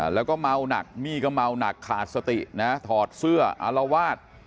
แล้วก็เมาหนักมี่ก็เมาหนักขาดสตินะถอดเสื้ออารวาส